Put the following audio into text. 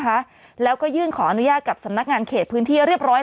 นะคะแล้วก็ยื่นขออนุญาตกับสำนักงานเขตพื้นที่เรียบร้อย